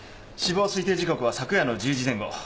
死亡推定時刻は昨夜の１０時前後。